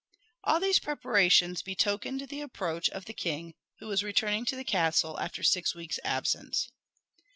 All these preparations betokened the approach of the king, who was returning to the castle after six weeks' absence.